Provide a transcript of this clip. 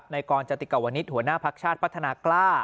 กรจติกวนิษฐ์หัวหน้าภักดิ์ชาติพัฒนากล้า